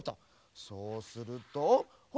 そうするとほら！